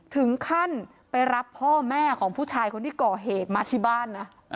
ถึงขั้นไปรับพ่อแม่ของผู้ชายคนที่ก่อเหตุมาที่บ้านนะ